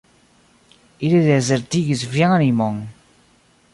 Ili dezertigis vian animon!